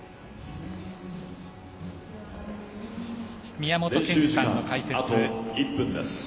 宮本賢二さんの解説。